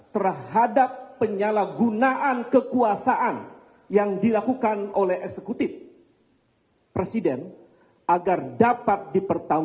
mereka juga sejumlah kesulang apa yang berlaku dengan pemerintah